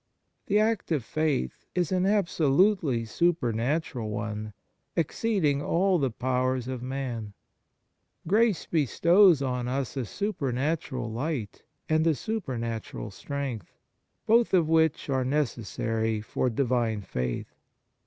The act of faith is an absolutely supernatural one, exceeding all the powers of man. Grace 94 EFFECT .AND FRUITS OF DIVINE GRACE bestows on us a supernatural light and a supernatural strength, both of which are necessary for Divine faith.